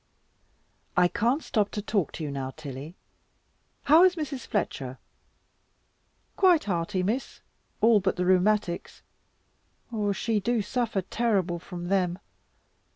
"I can't stop to talk to you now, Tilly; how is Mrs. Fletcher?" "Quite hearty, Miss, all but the rheumatics. Ah, she do suffer terrible from them.